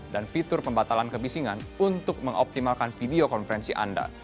dan fitur pembatalan kebisingan untuk mengoptimalkan video konferensi anda